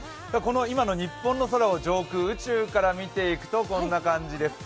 今の日本の空を上空、宇宙から見ていくと、こんな感じです。